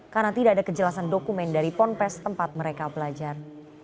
karena tidak ada kejelasan dokumen dari ponpes tempat mereka belajar